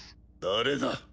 誰だ？